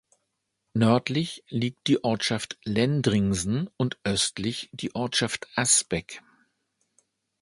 Nördlich liegt die Ortschaft Lendringsen und östlich die Ortschaft Asbeck.